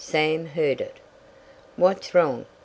Sam heard it. "What's wrong?"